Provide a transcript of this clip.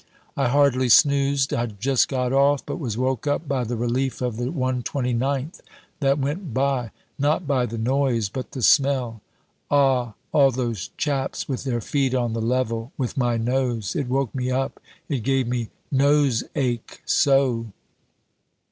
"I hardly snoozed. I'd just got off, but was woke up by the relief of the 129th that went by not by the noise, but the smell. Ah, all those chaps with their feet on the level with my nose! It woke me up, it gave me nose ache so."